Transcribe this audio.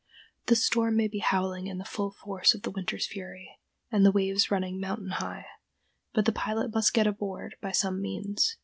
The storm may be howling in the full force of the winter's fury, and the waves running "mountain high," but the pilot must get aboard by some means.